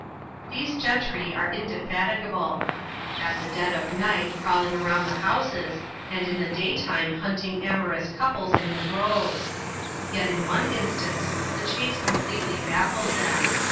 These gentry are indefatigable. At the dead of night prowl ing round the houses, and in the daytime hunting amorous couples in the groyes. Yet in one instance the chase completely baffled them.